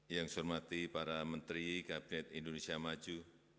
yang saya hormati para menteri kabinet indonesia maju